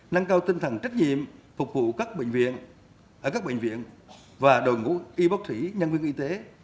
nâng cao tinh thần trách nhiệm phục vụ các bệnh viện và đội ngũ y bác sĩ nhân viên y tế